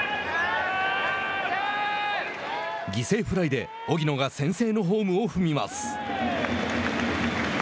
犠牲フライで荻野が先制のホームを踏みます。